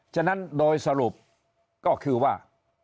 ฉะนั้นโดยสรุปก็คือว่า